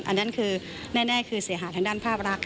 อันนั้นคือแน่คือเสียหายทางด้านภาพรัก